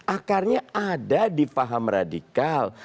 akarnya ada di paham radikal